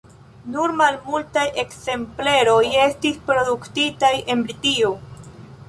Nur malmultaj ekzempleroj estis produktitaj en Britio.